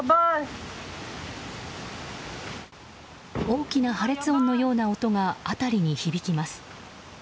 大きな破裂音のような音が辺りに響きます。